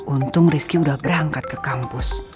untung rizky udah berangkat ke kampus